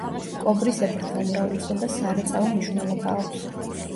კობრისებრთა უმრავლესობას სარეწაო მნიშვნელობა აქვს.